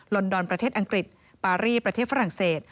อนดอนประเทศอังกฤษปารีประเทศฝรั่งเศส